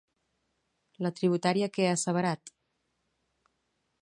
La tributària què ha asseverat?